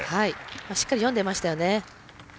しっかり読んでましたね。